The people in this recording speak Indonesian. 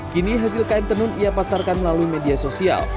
kini hasil kain tenun ia pasarkan melalui media sosial